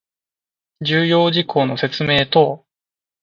重要事項の説明等